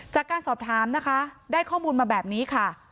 จากการสอบถามนะคะได้ข้อมูลมาแบบนี้ค่ะ